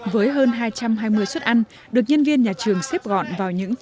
với hơn hai trăm hai mươi xuất ăn được nhân viên nhà trường xếp gọn vào những